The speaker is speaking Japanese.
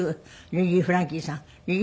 リリー・フランキーさん